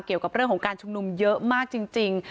เกี่ยวกับเรื่องของการชุมนุมเยอะมากจริง